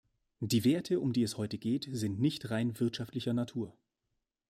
Die Werte, um die es heute geht, sind nicht rein wirtschaftlicher Natur.